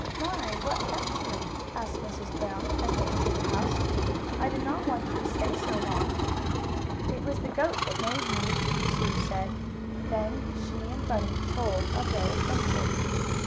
"My! What kept you?" asked Mrs. Brown, as they entered the house. "I did not want you to stay so long away." "It was the goat that made me," Sue said, and then she and Bunny told of their adventure.